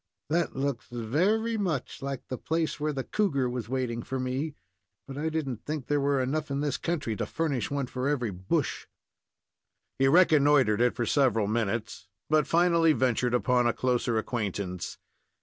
"That looks very much like the place where the cougar was waiting for me, but I didn't think there were enough in this country to furnish one for every bush." He reconnoitered it for several minutes, but finally ventured upon a closer acquaintance.